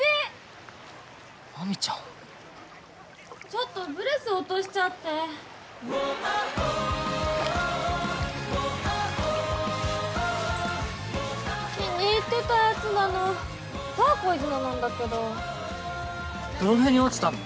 ちょっとブレス落としちゃって気に入ってたやつなのターコイズのなんだけどどの辺に落ちたの？